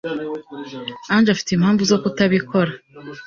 Ange afite impamvu zo kutabikora